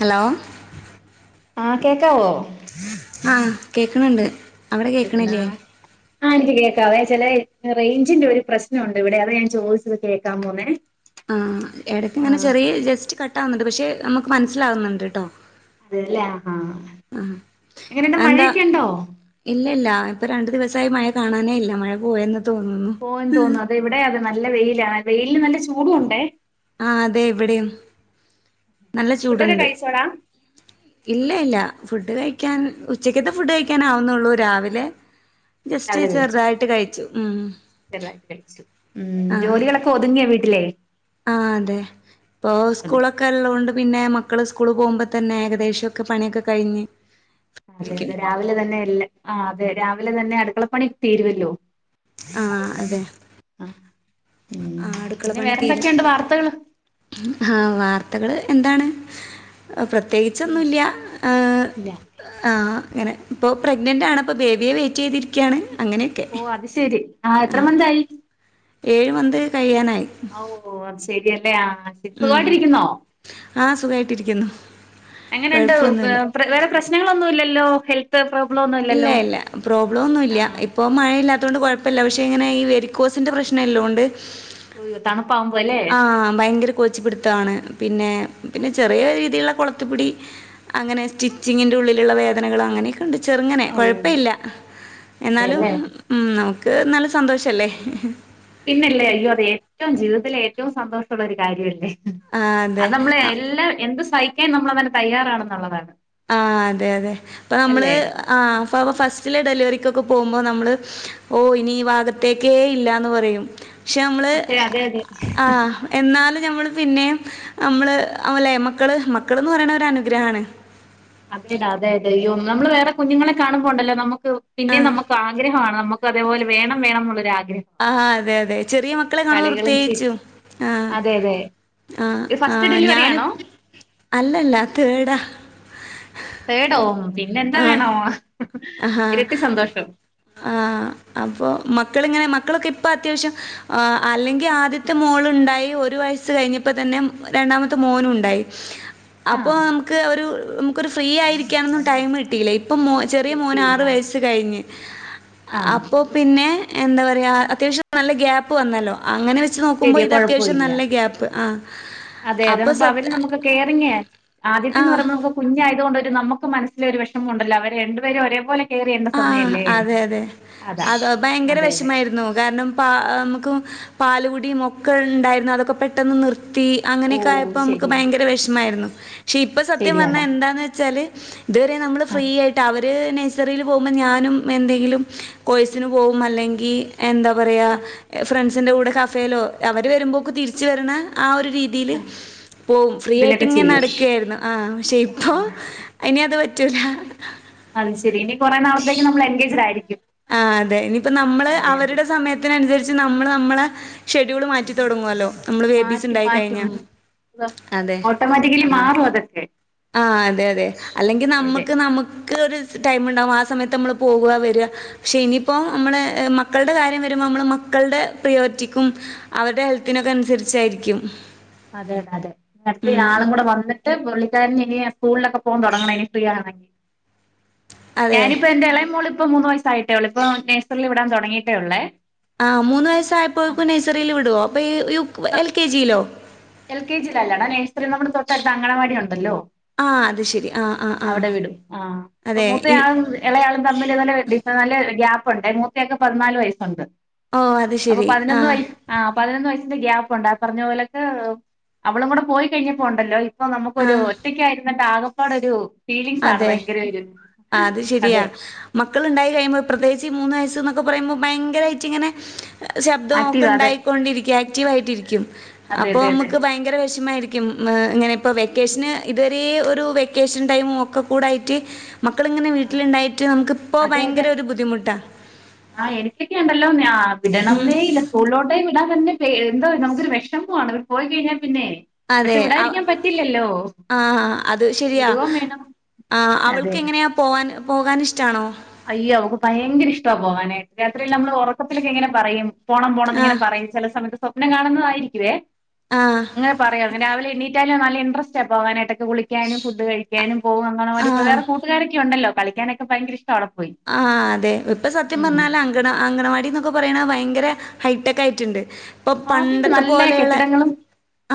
Hello ആ കേൾക്കാവോ ആഹ് കേക്കനൊണ്ട് ആ എനിക്ക് കേൾക്കാം അതെ ചിലേ റേഞ്ചിന്റെ ഒരു പ്രശ്നം ഉണ്ടെവിടെ അതാ ഞാൻ ചോദിച്ചത് കേൾക്കമൊന്നെ ആഹ് ഇടയ്ക്കങ്ങനെ ചെറിയ ജസ്റ്റ്‌ കട്ട്‌ തന്നത് പക്ഷെ നമുക്ക് മനസ്സിലാവുന്നുണ്ടിട്ടോ അല്ല ആഹ് എങ്ങനുണ്ട് മഴ ഒക്കെ ഇണ്ടോ ഇപ്പം രണ്ടു ദിവസായി മഴ കാണാനേ ഇല്ല മഴ പോയെന്ന് തോന്നുന്നു പോയെന്ന് തോന്നുന്നു അത് ഇവിടെ അതാ നല്ല വെയിലാ വെയിൽ നല്ല ചൂടുണ്ടെ ആ അതെ ഇവിടെയും നല്ല ഫുഡൊക്കെ ചൂടുണ്ട് കഴിച്ചോടാ ഇല്ല ഇല്ല ഫുഡ് കഴിക്കാൻ ഉച്ചക്കത്തെ ഫുഡ് കഴിക്കാൻ ആവുന്നുള്ളു രാവിലെ ജസ്റ്റ് ഞാനും കഴിച്ചു ചെറുതായിട്ട് കഴിച്ചു ഉം ചെറുതായിട്ട് കഴിച്ചു ആഹ് ജോലികളൊക്കെ ഒതുങ്ങിയോ വീട്ടില് ആഹ് അതെ ഇപ്പൊ സ്കൂൾ ഒതുങ്ങി ഒക്കെ ഉള്ളോണ്ട് പിന്നെ മക്കള് സ്‌കൂളിക്ക് പോകുമ്പോൾ തന്നെ ഏകദേശം പണിയെക്കെ കഴിഞ്ഞ് അതെ ഇരിക്കും. അതെ രാവിലെ തന്നെ എല്ലാ ആ രാവിലെ തന്നെ അടുക്കള പണിയെക്കെ തീരുവല്ലോ ആ അതെ ആഹ് ഉം ആ അടുക്കള പിന്നെ പണി തീർന്നു വേറെന്തൊക്കെയുണ്ട് വാർത്തകള് ആഹ് വാർത്ത ത്തകള് എന്താണ് പ്രത്യേകിച്ച് ഉം ഒന്നുല്യാ ആഹ് ഇല്ല ആ ങ്ങനെ ഇപ്പോ പ്രഗ്നൻ്റ് ആണ് ഇപ്പോ ബേബിയെ വെയിറ്റ് ചെയ്തിരിക്കാണ് ഓ അത് ശരി ആ എത്ര മന്തായി ഏഴു മന്ത് കഴിയാനായി ആ ഓ ഓ മനസ്സിലായ് [unintelligible] ഉം. സുഖായിട്ട് ഇരിക്കുന്നോ ആഹ് സുഖായിട്ടിരിക്കുന്നു. എങ്ങനെ ഉണ്ട് കൊഴപ്പൊന്നുല്ല വേറെ പ്രശ്നങ്ങൾ ഒന്നും ഇല്ലല്ലോ ഹെൽത് ഫ്രം ഇല്ല ഇല്ലാ പ്രോബ്ലം ഒന്നും ഇല്ലാ ആഹ് ഇപ്പോ മഴ ഇല്ലാത്തോണ്ട് കുഴപ്പല്ല പക്ഷെ എനിക്ക് ഇങ്ങനെ വേരികോസിൻ്റെ പ്രശ്‌നം ഉള്ളോണ്ട് ഓയോ തണുപ്പ് ആ ഭയങ്കര കോച്ചിപിടുത്തം ആണ് പിന്നെ ചെറിയ രീതിയിൽ ഉള്ള കൊടുത്തി പിടി അങ്ങനെ സ്റ്റിച്ചിങ്ങിൻ്റെ ഉള്ളിലുള്ള വേദനകള് അങ്ങനെയെക്കെ ഉണ്ട് ചെറുങ്ങനെ ഓ കുഴപ്പല്ല എന്നാലും അതെല്ലേ ഉം നമു ങ് നല്ല സന്തോഷമല്ലേ പിന്നെ അല്ലേ അയ്യോ ഏറ്റവും ജീവിതത്തില് ഏറ്റവും സന്തോഷമുള്ള ഒരു കാര്യമല്ലേ ആഹ് അത് നമ്മള് അതെ. എല്ലാം എന്ത് സഹിക്കാൻ നമ്മളതിന് തയാറാണന്നുള്ളതാണ് ആഹ് അതെ അതെ അപ്പ നമ്മള് ആ ഫസ്റ്റ് ഫസ്റ്റിലെ ഡെലിവറികൊക്കെ പോകുമ്പോൾ നമ്മള് ഓ ഇനി ഈ ഭാഗത്തേക്കേ ഇല്ലന്ന് പറയും പക്ഷെ നമ്മള് പക്ഷെ അതെ അതെ ആഹ് എന്നാലും ഞമ്മള് പിന്നെയും നമ്മള് ആവൂലെ മക്കള് മക്കള് എന്ന് പറയുന്നത് ഒരു അനുഗ്രഹമാണ് അതെടാ അതെ അതെ നമ്മള് വേറെ കുത്തുങ്ങളെ കാണുമ്പോൾ ഉണ്ടല്ലോ ഒരു പിന്നെയും ഒരു ആഗ്രഹമാണ് നമുക്ക് അതേപോലെ വേണം വേണം എന്നുള്ള ആഗ്രഹം ആഹ് അതെ അതെ ചെറിയ മക്കളെ കാണുമ്പോൾ കളികളും ചി പ്രത്യേകിച്ചും ആഹ് അതെ അതെ ആഹ് ഇത് ആ ഫസ്റ്റ് ഡെലിവറി ഞാൻ ആണോ അല്ലല്ലാ തേഡ് ആ തേടോ പിന്നെന്ത വേണോ ആ ആ അപ്പൊ മക്കളിങ്ങനെ മക്ക ക്കളൊക്കെ ഇപ്പോ അത്യാവശ്യം അല്ലെങ്കി ആദ്യത്തെ മോളുണ്ടായി ഒരു വയസ്സ് കഴിഞ്ഞപ്പതന്നെ രണ്ടാമത്തെ മോനുണ്ടായി അപ്പൊ ആഹ് നമ്മക്ക് ഒരു നമ്മക്കൊരു ഫ്രീ ആയി ഇരിക്കാനൊന്നും ടൈം കിട്ടില്ല ഇപ്പോ മോ ചെറിയ മോന് കിട്ടിയില്ല ആറ് വയസ്സ് കഴിഞ്ഞ് ആഹ് അപ്പോ പിന്നെ എന്താ പറയാ അത്യാവശ്യം നല്ല ഗ്യാപ്പ് വന്നല്ലോ അങ്ങനെ വെച്ച് നോക്കുമ്പോ ശരി ഇത് അത്യാവശ്യം കുഴപ്പമില്ല നല്ല ഗ്യാപ്പ് ആഹ് അതെ അത് അപ്പൊ ന്നപ അവര് സത് നമ്മക്ക് കയറിങ്ങേ ആദ്യത്തെന്ന് ആഹ് പറയുമ്പോ നമ്മക്ക് കുഞ്ഞായതുകൊണ്ട് നമ്മക്ക് മനസ്സിലൊരു വിഷമുണ്ടല്ലോ അവരെ രണ്ട് പേരെ ഒരേപോലെ കെയർ ചെയ്യേണ്ട ആ സമയല്ലേ അതെ അതെ അതാ അതോ ഭയങ്കര അതെ അതെ വിഷമായിരുന്നു കാരണം പാ നമ്മക്ക് പാലുകുടി ഒക്കെ ഉണ്ടായിരുന്നു അതൊക്കെ പെട്ടെന്ന് നിർ ത്തി ഓ അങ്ങനെയൊക്കെ ആയപ്പോ നമ്മക്ക് ശരിയാ ഭയങ്കര വിഷമായിരുന്നു. ഷെ ഇപ്പൊ സത്യം പറഞ്ഞ ശരിയാടാ എന്താന്ന് വച്ചാൽ ഇതുവരെ നമ്മൾ ഫ്രീ ആഹ് ആയിട്ട് അവ ര് നഴ്സറിൽ പോകുമ്പോ ഞാനും എന്തെങ്കിലും കോഴ്സിനു പോവും അല്ലെങ്കി എന്താ പറയാ ആഹ് ഫ്രെണ്ട്സ് സിൻ്റെ കഫെലോ അവര് വരുമ്പോക്ക് തിരിച്ചു വരണ ആ ഒരു രീതിൽ ആഹ് പോവും, ഫ്രീ ഇതിലൊക്കെ ആയിട്ടിങ്ങനെ ചെയ്യും നടക്കേർന്ന് ആ പക്ഷെ ഇപ്പോ ആഹ് ഇനി അത് പറ്റുല കുറെ നാളത്തേക്ക് നമ്മൾ എൻഗേജ്ഡ് ആയിരി ആ അതെ ഇനീ ഇപ്പോ നമ്മള് അതെ അവരെ സമയത്തിനനുസരി ച്ച് നമ്മള് നമ്മളെ ഷെഡ്യൂൾ മാറ്റി തുടങ്ങുവല്ലോ മാറ്റും മാറ്റും അതെ. ഓട്ടോമാറ്റിക്കലി മാറും അതൊക്കെ ആ അതെ അതെ അല്ലെങ്കി അതെ അതെ നമ്മക്ക് നമ്മക്കൊരു ടൈം ഉണ്ടാവും ആ സമയത്ത് നമ്മൾ പോവാ വരാ പക്ഷെ ഇനി ഇപ്പോ നമ്മളെ ഏ മക്കളുടെ കാര്യം വരുമ്പോ നമ്മള് മക്കൾടെ പ്രയോരിറ്റിക്കും അവരുടെ ഹെൽത്തിനും ഒക്കെ അനുസരിച്ചായിരിക്കും അതെ അതെ അതെ കട്ടി ഉം ആളും കൂടെ വന്നിട്ട് പുള്ളിക്കാരൻ ഇനി സ്കൂളിലൊക്കെ പോകാൻ തുടങ്ങണം ഇനി ഫ്രീ ആണങ്കി അതെ. ഞാനിപ്പോ എൻ്റെ ഇളയ മോള് പ്പം മൂന്ന് വയസ്സായിട്ടെ ഉള്ളൂ ഇപ്പം നഴ്സറി വിടാൻ തുടങ്ങിയിട്ടേ ഉള്ളെ ആ മൂന്ന് വയസ്സായപ്പേക്കും നഴ്സറി വിടോ അപ്പ ഈ U K L K G ലോ എൽ കെ ജി ലല്ലടാ നെയ്‌സറി നമ്മടെ തൊട്ടട്ത്ത അങ്കണവാടി ഉണ്ടല്ലോ ആ അത് ശരി. ആ ആ ആ. അവടെ വിടും. ആഹ് അതെ. മൂത്ത ഈ ആള് ഇളയ ആളും തമ്മിൽ നല്ല ഡിഫ ഗ്യ ഉണ്ട് മൂത്തേ ആക്ക് പതിനാല് വയസൊണ്ട്. ഓ അത് അപ്പൊ ശരി. ആ. പതിനൊന്ന് വയസ് പതിനൊന്ന് വയസ്സിന്റെ ഗ്യാപ്പൊണ്ട്. പറഞ്ഞപോലൊക്കെ [unintelligible] അവളും കൂടി പോയി കയിഞ്ഞാ പോണ്ടല്ലോ പ്പ നമ്മക്കൊരു ആഹ് ഒറ്റക്കായിരുന്നിട്ടാക പ്പലൊരു അതെ അത് ശെരിയാ അതെ മക്കള്ണ്ടായി കഴിയുമ്പോ പ്രേത്യേകിച്ചു മൂന്ന് വയസ്സ് നൊക്കെ പറയുമ്പോ ഭയങ്കരായിറ്റ്ങ്ങനെ ആക്റ്റീവ് അതെ ശബ്ദോക്കെണ്ടാക്കികൊണ്ടിരിക്കും ആക്റ്റീവായിട്ടിരിക്കും അതെ അപ്പൊ അതെ അതെ മ്മക്ക് ഭയങ്കര വെഷമായി ക്കും ങ്ങനെ പ്പ വെക്കേഷന് ഇത് വരെ ഒരു വെക്കേഷൻ ടൈമും ഒക്ക കൂടായ്റ്റ് മക്കള് ങ്ങനെ ആ വീട്ടിലിണ്ടായിറ്റ് നമക്ക് പ്പൊ ഭയങ്കര ഒര് ബുദ്ധിമുട്ടാ ആഹ് എനിക്കൊക്കെപ്പളും ന്നാ വിടണം ഉം ന്നേ ഇല്ല സ്കൂളിലോട്ടെ പറ്റ്ണില്ല എന്തോ നമക്കൊരു വേശമമാണ് അവര് പോയികഴിയുമ്പോ അതെ അ ആ അത് ശെരിയാ വിടുകയും വേണം ആഹ് അതെ അവൾക്കെങ്ങനെ പോവാൻ പോകാൻ ഇഷ്ട്ടാണോ അയ്യ അവൾക്ക് ഭയങ്കര ഇഷ്ട്ടാ പോകാൻ രാത്രിയെല്ലാം ഒറക്കത്തിനിങ്ങനെ പറയും പോണം പോണം ന്നിങ്ങനെ ആഹ് പറയും ചെലസമ സ്വപ്നം കാണുന്നതായിരിക്കുവേ ആഹ് ങ്ങനെപറയും രാവിലെ [unintelligible] ല്ലാം നല്ല ഇന്ട്രെസ്റ്റാ പോകാനായിട്ടൊക്കെ കുളിക്കാനും ഫുഡ്ഡ് കഴിക്കാനും ഓ അംഗനവാടി പോകാൻ ആഹ് വേറെ കൂട്ട് കാരൊക്കെ ഉണ്ട് കളിക്കാനൊക്കെ ഭയ ആഹ് അതെ ഇപ്പൊ സത്യം ഉം പറഞ്ഞാല് അംഗണ അംഗനവാടി നൊക്കെ [unintelligible] രെ ഹൈ ടെക്ക് ആയിറ്റ്ണ്ട് പ്പ ആ പിന്നെ പണ്ടത്തെ നല്ല പോലെള്ളേ കെട്ടിടങ്ങളും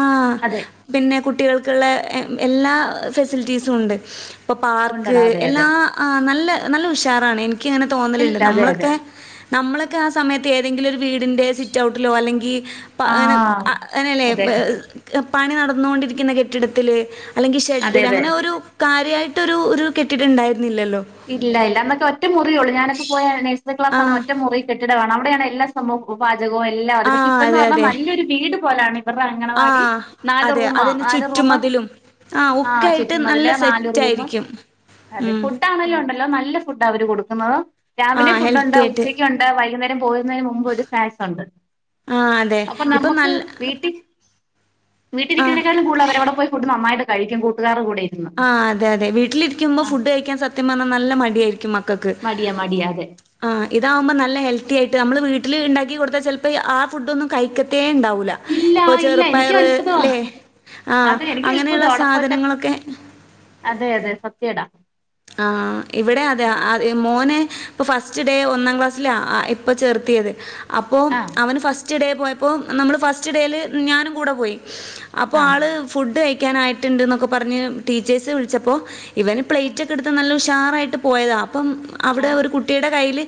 ആഹ് അതെ പിന്നെ കുട്ടികൾക്ക്ള്ളേ എല്ലാ ഫെസിലിറ്റിസും ഉണ്ട് പാർക്ക്‌ ഉണ്ടടാ അതെ അതെ എല്ലാ നല്ലേ എടങ്ങേറാണ് ഇനിക്ക് ങ്ങനെ തോന്നല്ണ്ട് ഇല്ല അതെ അതെ നമ്മളെക്കെ നമ്മളെക്കെ ആ സമയത്ത് ഏതെങ്കിലും ഒരു വീടിന്റെ സിറ്റ്ഔട്ടിലോ അല്ലങ്കി പ്പ ങ്ങനെ ആഹ് അ ങ്ങനല്ലേ അതെ പണി നടന്നുകൊണ്ടിരിക്കുന്ന കെട്ടിടത്തില് അല്ലെങ്കിൽ അതെ ഷെഡിൽ അതെ അങ്ങനെ ഒരു അിയായിട്ടൊ ഒരു കെട്ടിട്ടുണ്ടായിരുന്നു ഇല്ല ഇല്ല [unintelligible] റ്റ മുറിയുള്ളൂ ഞാനപ്പോ പോയാണ് [unintelligible] ക്ലാസ് ആ ഒറ്റ മുറി [unintelligible] [unintelligible] [unintelligible] എല്ല ആ പക്ഷെ ഇന്ന് അതെ പറഞ്ഞാ അതെ നല്ലൊരു വീട് പോല ഇവരുടെ ആ അങ്കണവാടിനാല് അതെ റൂമ അതിന് നാല് റൂമആ ചുറ്റുമതിലും ആ ഒക്കായിട്ട് ചുറ്റും മതിൽ നല്ല നാല് റൂമ സെറ്റായിരിക്കും ഉം ണ്ടല്ലോ നല്ല ഫുഡ് അവർ കൊടുക്കുന്നത് ആ രാവിലെ ഫുഡ്ണ്ട് ഹെൽത്തി ആയിട്ട് ഉച്ചയ്ക്ക്ുണ്ട് വൈകുന്നേരം [unintelligible] ന് മുമ്പ് ഒരു സായസുണ്ട് ആ അതെ അപ്പൊ ഇപ്പൊ നമ്മുക്ക് നല്ല വീട്ടി [unintelligible] ആ വീട്ടിരിക്കുന്നേക്കാളും കൂടു [unintelligible] [unintelligible] നന്നായിട്ട് കഴിക്കും കട്ടുകാ [unintelligible] ആ അതെ അതെ വീട്ടില ഇരിക്കുമ്പോ ഫുഡ് കഴിക്കൻ [unintelligible] [unintelligible] നല്ല മടിയായിരിക്കും [unintelligible] [unintelligible] മടിയാ മടിയാ അതെ ആ ഇതാവുമ്ബ്ബോ നല്ല ഹെൽത്തി ആയിട്ട് ഞമ്മൾ വി വീട്ടിൽ ണ്ടാക്കി കൊടുത്താൽ ചിലപ്പോ ആ ഫുഡ് ഒന്നു കഴിക്കത്തേ ണ്ടാവു വൂല ഇല്ല ഇപ്പൊ ഇല്ല എനിക്കും ചെറുപ്പയറ് അത്ഭുതവാ ല്ലെ ആ അതെ എനിക്കും അങ്ങനെയുള്ള അത്ഭുതവാ അവിടെ പോയിട്ട് സാധനങ്ങളൊക്കെ അതെ അതെ സത്യേടാ ആ ഇവിടെ അതെ അ മോനെ ഇപ്പൊ ഫസ്റ്റ് ഡേ ഒന്നാം ക്ലാസ്സിലാ ഇപ്പൊ ചേർത്തിയത് അപ്പോൾ ആഹ് അവന് ഫസ്റ്റ് ഡേ പോയപ്പോൾ നമ്മൾ ഫസ്റ്റ് ഡേയിൽ ഞാനും കൂടെ പോയി അപ്പൊ ആഹ് ആള് ഫുഡ്യി ക്കാനായിട്ടുണ്ട് ന്നൊക്കെ പറഞ്ഞഞ് ടീച്ചേഴ്സ് വിളിച്ചപ്പോ ഇവ പ്ലേറ്റ് റ്റയ്ക്കെടുത്ത് നല്ല ഷാറായിട്ട് പോയതാണ് അപ്പം അവിടെ ആഹ് ഒരു കുട്ടിയുടെ കയ്യിൽ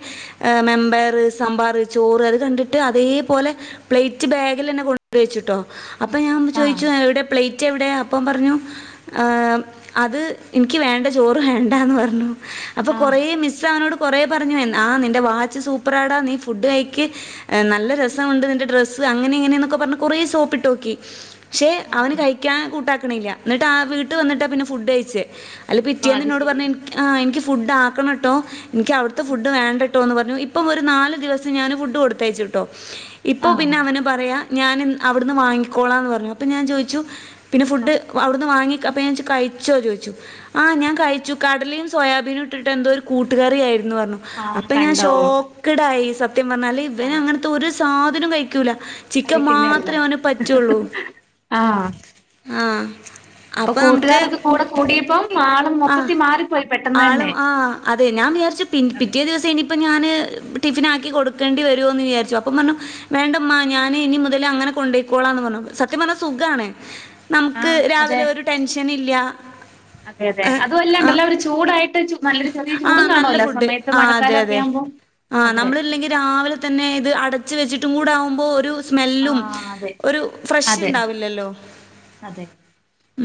മെമ്പർ സാമ്പാറ് ചോറ് അത് കണ്ടിട്ട് അതേപോലെ പ്ലേറ്റ് ബാഗിൽ തന്നെ കൊ വച്ചിട്ടോ അപ്പം ഞാൻ ആഹ് ചോദിച്ചത് എവിടെ പ്ലേറ്റ് റ്റെവിടെ അപ്പ പറഞ്ഞു അത് നിക്ക് വേണ്ട ചോറ് വേണ്ടാന്ന് പറഞ്ഞു അപ്പൊ കൊറ ആഹ് മിസ് അവനോട് കൊറേ പറഞ്ഞു ആ നിന്റെ വാച്ച് സൂപ്പറാടാ നീ ഫുഡ് കഴിക്ക് നല്ല രസമുണ്ട് നിന്റെ ഡ്രസ്സ് അങ്ങനെ എങ്ങനെന്നൊക്കെ പറഞ്ഞ കൊറേ സോപ്പിട്ടോക്കി ശേ അവനു ആഹ് കഴിക്കാൻ കൂട്ടാ ക്കാനില്ല എന്നിട്ട വീട്ടിൽ വന്നിട്ട പിന്നെ ഫുഡ്‌ കഴിച്ചേ ഓഹ് റ്റേന്ന് അത് ഇന്നോട് ശരി പറഞ്ഞു ഇ ഇൻക് ഫുഡ്‌ ആക്കാനൊട്ടോ എനിക്ക് അവിടുത്തെ ഫുഡ്‌ വേണ്ടാട്ടോ എന്ന പറഞ്ഞ് പോയി ഇപ്പോ ഒരു നാല് ദിവസം ഞാന് ഫുഡ്‌ കൊടുത്തയച്ചു വിട്ടു ഇപ്പോ ആഹ് പിന്നെ അവനു പറയാ ഞാൻ അവിടുന്ന് വാങ്ങിക്കോളാ എന്ന് പറഞ്ഞു അപ്പൊ ഞാൻ ചോദിച്ചു പിന്നെ ഫുഡ് അവിടുന്ന് വാങ്ങിക്കപ്പോ ഞൻ ചോ കഴിചോ ചോദിച്ചു ആ ഞാൻ കഴിച്ചു കടലയും സോയാബീനും ഇട്ടിട്ട് എന്തോ ഒരു കൂട്ടുകറിയായിരുന്നു ന്നു പറഞ്ഞു ആഹ് അപ്പൊ കണ്ടോ ഞാൻഷോക്കഡായ് സത്യം സത്യം പറഞ്ഞാല് ഇവ അങ്ങനത്തെ ഒരു സാധനം കഴിക്കൂല ചിക്കൻ കഴിക്കുന്നല്ലെ മാത്രമേ അവന് പറ്റുള്ളൂ ആ ആ അപ്പൊ കൂട്ടുകാാരൊക്കെ കൂടെ കൂടിയപ്പം മാ ആഹ ആളും ആ അതെ ഞാൻ വിചാരിച്ചു അതെ പിറ്റേ ദിവസം ഇനിയിപ്പ ഞാന് ടിഫിനു ആക്കി കൊടുക്കേണ്ടി വരുമോന്ന് വിചാരിച്ചു അപ്പം പറഞ്ഞു വേണ്ടമ്മ ഞാന് ഇനി മുതൽ അങ്ങനെ കൊണ്ടയ്ക്കോളാന്ന് പറഞ്ഞു സത്യം പറഞ്ഞൽ സുഖണ നമുക്ക് ആഹ് അതെ രാവിലെ ഒരു ടെൻഷനില്ല അതുമല്ലാണ്ടല്ല ഒരു ചൂടായി [unintelligible] ആ നല്ല ഫുഡ് ആ അതെ മഴക്കാലം ഒക്കെ അതെ ആവുമ്പോ ആ അതെ നമ്മളല്ലെങ്കിൽ രാവിലെ തന്നെ ഇത് അട ച്ച വച്ചിട്ടും കൂടെ ആകുമ്പോൾ ഒരു ആ സ്മെല്ലും അതെ ഒരു ഫ്രഷ് അതെ ഇണ്ടാവില്ലല്ലോ. അതെ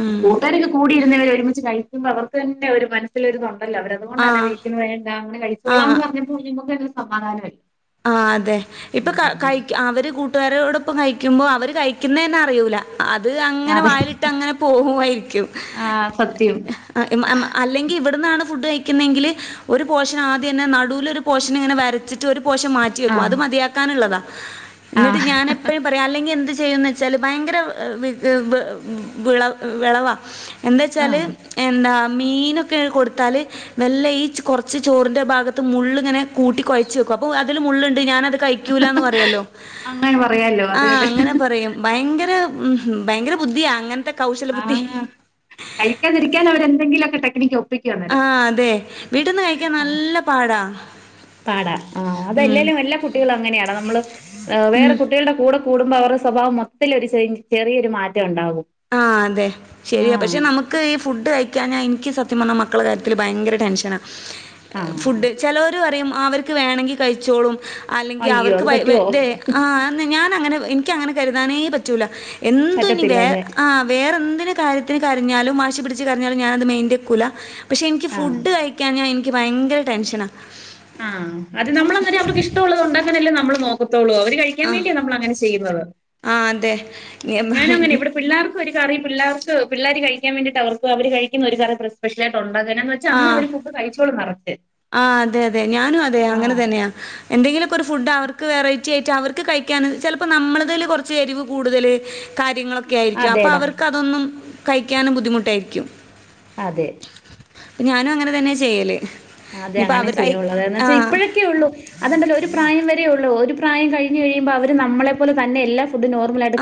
ഉം. കൂട്ടുകാരൊക്കെ കൂടിയിരുന്നവരെ ഒരുമിച്ച് കഴി [unintelligible] അവർക്ക് തന്നെ ഒരു മനസ്സലു ഒരിതുണ്ട് അല്ല അവര അതുകൊണ്ടാണ് ആഹ്. വിക്ക വേണ്ട അനെ കഴിച്ചോള എന്ന് ആഹ് പറഞ്ഞ [unintelligible] [unintelligible] സമാധാനം ആയി ആ അതെ ഇപ്പൊ കൈ കയ്യ്ക്കു അവര് കൂ കൂട്ടുകാരോടൊപ്പം കഴിക്കുമ്പോ അവര് കഴിക്കുന്ന തന്നെ അറിയൂല അത് അങ്ങനെ അതെ വായിലിട്ട് അങ്ങനെ പോവായിരിക്കും ആ സത്യം [unintelligible] അല്ലങ്കിൽ ഇവിട്ന്നാണ് ഫുഡ്‌ കഴിക്കുന്നെങ്കിലു ഒരു പോർഷൻ ആദ്യം തന്നെ നടുവിൽ ഒരു പോർഷൻ ഇങ്ങനെ വരച്ചിട്ട് ഒരു പോർഷൻ മാ റ്റി ആ വെക്കും അത് മതിയാക്കാനുള്ളതാ ആ എന്നിട്ട് ഞാൻ എപ്പഴും പറയാം അല്ലെങ്കിൽ എന്ത് ചെയ്യുന്നവെച്ചാല് ഭയകര വ് വ് വീ വിള വിളവ എന്താ ആ വച്ചാല് എന്താ മീനൊക്കെ കൊട്ത്താൽ മെല്ലെ യിച്ച് കൊറച്ച് ചോറിന്റെ ഭാഗത്ത് മുള്ള്ങ്ങനെ കൂട്ടി കൊയച് വെക്കും അപ്പോ അത് ഇത് മുള്ള് ണ്ട് ഞാനത് കഴികൂലന്ന് പറയല്ലോ അങ്ങനെ പറയാലോ ആ അതെ അതെ അങ്ങനെ പറയും ഭയങ്കര ഭയങ്കര ബുദ്ധിയാ അങ്ങൻത്തക്കെ ആ കഴിക്കാതിരിക്കാൻ അവര് ന്തങ്കിലൊക്കെ ടെക് [unintelligible] ആ അതെ വീട്ട്ന്ന് കഴിക്കാൻ ആ, നല്ല പാടാ പാടാ ആ ഉം അതല്ലേലും എല്ലാ കുട്ടികളങ്ങനെയാണ് നമ്മൾ വേറെ ഉം കുട്ടികൾടെ കൂടെ കൂടുമ്പോ അവരെ സ്വഭാവം മൊത്തൽ ഒരു ചൈ ചെറിയൊരു മാറ്റണ്ടാവും ആ അതെ ശെരിയാ പക്ഷേ നമ്മക് ഇ ഫുഡ് കഴിക്കാഞാ ക്ക് സത്യം പറഞ്ഞാ മക്കളെ കാര്യത്തിൽ ഭയങ്കര ടെൻഷനാ ആ ഫുഡ് ചെലോൽ പറയും അവർക്ക് വേണേങ്കി കഴിച്ചോളും അല്ലങ്കി അയ്യോ അവർക്ക് അത് പൈ വയ് പറ്റുവോ തെ ആ ന്ന് ഞാനങ്ങ ൻക്കങ്ങനെ കര്താനേ പറ്റൂല എന്തുഞ്ഞി വേ പറ്റത്തില്ല അതെ ആ വേറൊന്തൊരു കാര്യത്തി കരഞ്ഞാലും വാശി പിടിച്ച് കരഞ്ഞാലും ഞാനത് മൈൻഡ് വെക്കൂല പക്ഷേ ൻക്ക് ആഹ് ഫുഡ് കഴിക്കാഞ്ഞാ ൻക്ക് ക്ക് ഭയങ്കര ടെൻഷനാ ആ അത് നമ്മളങ്ങനെ അവർക്കിഷ്ടള്ളത് ഉണ്ടാക്കാനല്ലേ നമ്മ നമ്മൾ നോ ത്തൊളു അവര് കഴിക്കാൻ ആഹ് വേണ്ടിയാ നമ്മളങ്ങനെ ചെയ്യന്നത് ആഹ് അതെ. ഞാനങ്ങനെ വ്ടെ പിള്ളേർ ക്കൊരു കറി പിള്ളേർക്ക് പിള്ളേര് കഴിക്കാൻ വേണ്ടിട്ടാ അവർക്ക് അവര് കഴിക്കുന്നതൊരു കറി സ്‌പെഷ്യലായിട്ടൊള്ളു ഭഗനാന്ന് വെച്ചാ അന്ന് അവർ ഫുഡ് കഴിച്ചെള്ളുന്നാറഞ്ഞേ ആ അതെ അതെ ഞാനും അതെ അങ്ങനെ ആഹ് തന്നെയാ എന്തങ്കിലും ക്കൊരു ഫുഡ് അവർക്ക് വെറൈറ്റിയായിട്ട് അവർക്ക് കഴിക്കാന് ചെൽപ്പം നമ്മൾതില് കൊറച്ച് എരിവ് കൂട്തല് കാര്യങ്ങളൊക്കെ ക്കെയായിരിക്കും അപ്പോ അതേടാ അവർക്ക് അതൊന്നും കഴിക്കാനും ബുദ്ധിമുട്ടായിരിക്കും അതെ ഞാനും അങ്ങനെ തന്നെ ചെയ്യല് അതെ ഇനിയിപ്പോ അങ്ങനെ അവര് കൈ ചെയ്യുള്ളു അതായ്ര്ന്നാചാ ആഹ് ഇപ്പഴൊക്കെ ഒള്ളു അതുണ്ടല്ലോ ഒരു പ്രായം വരേ ഒള്ളു പ്രായം കഴിഞ്ഞയുമ്പോൾ അവർ നമ്മളെ പോലെ തന്നെ എല്ല ഫു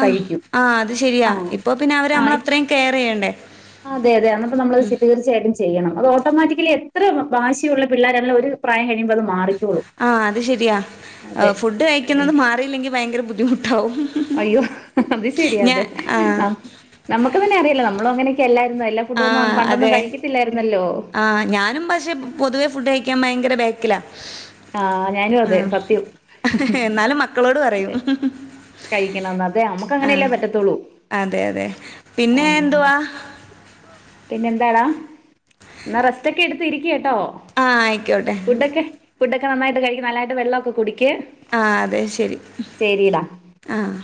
ആഹ് ആഹ് അത് ശെരിയാ ആഹ് ഇപ്പൊ പിന്നെ അവര് നമ്മള് ആഹ് അത്രയും കെയർ ചെയ്യണ്ടേ അതെ അതെ അന്നപ്പം നമ്മളത് സ്തി തീർച്ചയായിട്ടും ചെയ് ചെയ്യണം അത് ഓട്ടോമാറ്റിക്കലി എത്ര വ വാശി ഒള്ള പിള്ളേരാണേലും ഒരു പ്രായം കഴി ആഹ് അത് ശെരിയാ അതെ എ ഫുഡ്‌ അതെ കഴിക്കുന്നത് മാറിയില്ലെങ്കി ഭയങ്കര ബുദ്ധിമു അയ്യോ അത് ശെരി അതേ ആഹ് നമുക്ക് പിന്നെ അറിയല്ലോ നമ്മളും അങ്ങനെ ക്കെല്ലാ ന്ന് എല്ലാ ഫുഡൊന്നും അ ആഹ് പണ്ടൊന്നും അതെ കഴിക്കത്തില്ലായിരുന്നല്ലോ ആഹ് ഞാനും പക്ഷേ പൊതുവെ ഫുഡ്‌ കഴി ക്കാൻ ഭയങ്കര ബാക്കിലാ ആഹ് ഞാനും അതെ ആഹ് സത്യം എന്നാലും മക്കളോട് പറയും അതെ കഴിക്കണംന്ന് അതെ നമ്മുക്ക് അങ്ങനെയല്ലേ ആഹ് പറ്റത്തുള്ളൂ അതെ അതെ പിന്നേ ആഹ് എന്തുവാ പിന്നെന്താടാ എന്ന റസ്റ്റൊക്കെ എടുത്ത് ഇരിക്ക് ട്ടോ ആഹ് ആയിക്കോട്ടെ ഫുടൊക്കെ ഫുഡ്ഡക്കെ നന്നായിട്ട് കഴിക്ക് നല്ലയായിട്ട് വെള്ളവൊക്കെ കുടി ആഹ് അതെ ശരി ശരിടാ ആഹ്